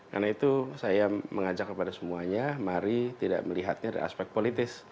karena itu saya mengajak kepada semuanya mari tidak melihatnya dari aspek politis